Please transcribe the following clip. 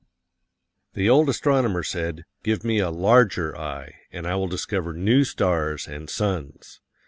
The old astronomer said, "Give me a larger eye, and I will discover new stars and suns."